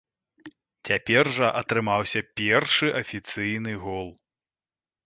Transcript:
Цяпер жа атрымаўся першы афіцыйны гол.